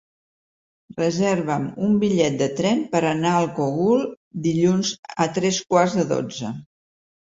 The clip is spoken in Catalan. Reserva'm un bitllet de tren per anar al Cogul dilluns a tres quarts de dotze.